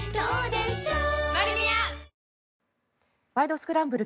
スクランブル」